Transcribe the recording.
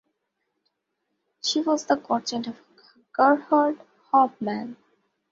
She was the godchild of Gerhart Hauptmann.